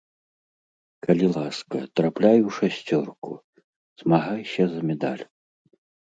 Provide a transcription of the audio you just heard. Калі ласка, трапляй у шасцёрку, змагайся за медаль.